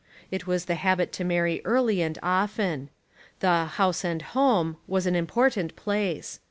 It was the habit to marry early and often. The "house and home" was an important place.